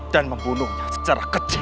dan membunuhnya secara kecil